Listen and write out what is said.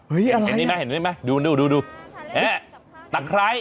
อะไรนะเห็นมั้ยเห็นมั้ยดูดูดูเน้ซักไม่